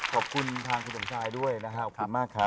ขอบคุณทางคุณสมชายด้วยนะครับขอบคุณมากครับ